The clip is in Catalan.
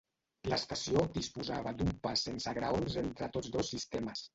L'estació disposava d'un pas sense graons entre tots dos sistemes.